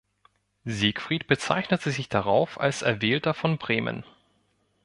Siegfried bezeichnete sich darauf als „Erwählter von Bremen“.